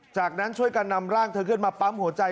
จากนั้นช่วยกันนำร่างเธอขึ้นมาปั๊มหัวใจ